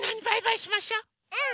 うん！